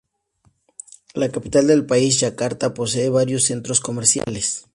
La capital del país, Yakarta, posee varios centros comerciales.